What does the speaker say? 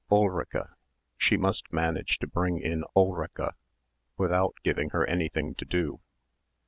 Ulrica. She must manage to bring in Ulrica without giving her anything to do.